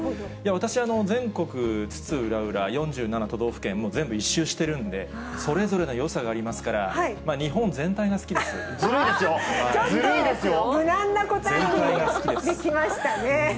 私、全国津々浦々、４７都道府県、もう全部一周してるんで、それぞれのよさがありますから、ずるいですよ。